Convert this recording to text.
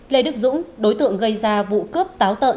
lê đức dũng đối tượng gây ra vụ cướp táo tợn